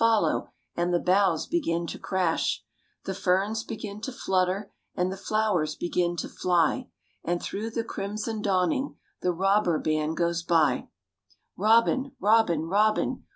Follow! and the boughs begin to crash; The ferns begin to flutter and the flowers begin to fly; And through the crimson dawning the robber band goes by Robin! Robin! Robin!